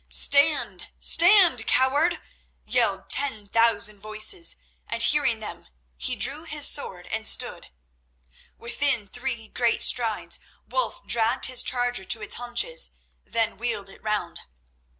"Stand! Stand, coward!" yelled ten thousand voices, and, hearing them, he drew his sword and stood. Within three great strides Wulf dragged his charger to its haunches, then wheeled it round.